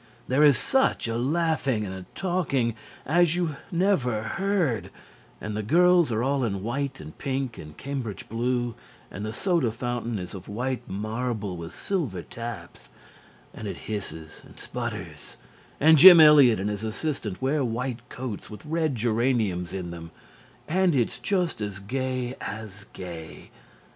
There is such a laughing and a talking as you never heard, and the girls are all in white and pink and cambridge blue, and the soda fountain is of white marble with silver taps, and it hisses and sputters, and Jim Eliot and his assistant wear white coats with red geraniums in them, and it's just as gay as gay.